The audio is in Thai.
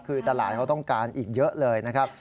คือตลาดเขาต้องการอีกเยอะเลยนะครับ